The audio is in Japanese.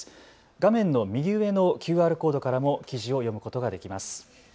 画面の右上のＱＲコードからも記事を読むことができます。